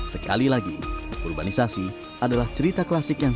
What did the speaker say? sekali lagi urbanisasi adalah cerita klasik yang terjadi di indonesia